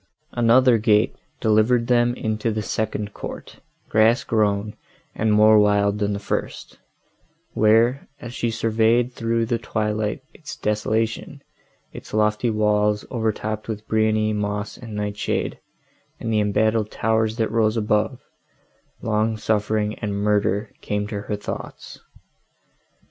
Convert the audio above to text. Another gate delivered them into the second court, grass grown, and more wild than the first, where, as she surveyed through the twilight its desolation—its lofty walls, overtopped with briony, moss and nightshade, and the embattled towers that rose above,—long suffering and murder came to her thoughts.